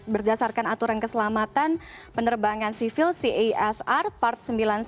berdasarkan aturan keselamatan penerbangan sivil casr part sembilan puluh sembilan